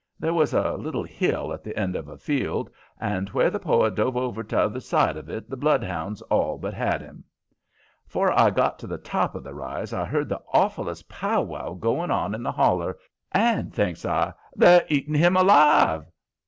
There was a little hill at the end of the field, and where the poet dove over 'tother side of it the bloodhounds all but had him. Afore I got to the top of the rise I heard the awfullest powwow going on in the holler, and thinks I: "THEY'RE EATING HIM ALIVE!"